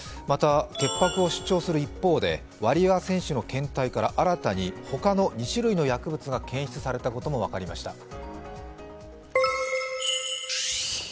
また、潔白を主張する一方で、ワリエワ選手の検体から新たにほかの２種類の薬物も検出されたことが分かりました。